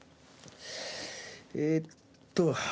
えーっと。